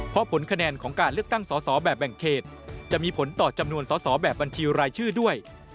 เพราะผลคะแนนของการเลือกตั้งสอสอแบบแบ่งเขตจะมีผลต่อจำนวนสอสอแบบบัญชีรายชื่อด้วย